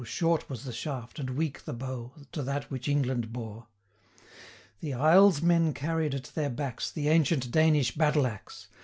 125 Short was the shaft, and weak the bow, To that which England bore. The Isles men carried at their backs The ancient Danish battle axe.